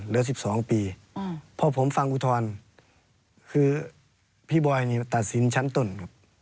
แล้ว๑๒ปีเพราะผมฟังอุทธรณ์คือพี่บอยตัดสินชั้นต้นครับ